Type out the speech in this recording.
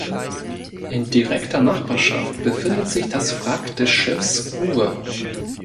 In direkter Nachbarschaft befindet sich das Wrack des Schiffs "Uwe".